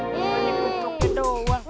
kenapa buka buka doang